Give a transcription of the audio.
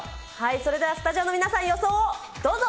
それではスタジオの皆さん、予想をどうぞ。